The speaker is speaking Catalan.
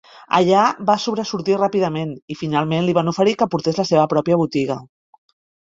Allà va sobresortir ràpidament i finalment li van oferir que portés la seva pròpia botiga.